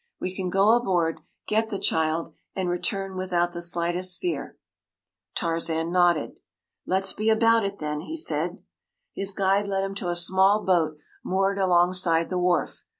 We can go aboard, get the child, and return without the slightest fear.” Tarzan nodded. “Let’s be about it, then,” he said. His guide led him to a small boat moored alongside the wharf.